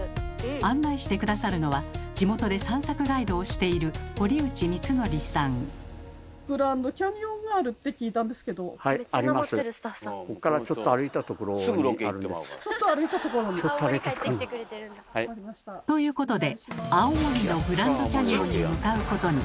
案内して下さるのは地元で散策ガイドをしているということで青森のグランドキャニオンに向かうことに。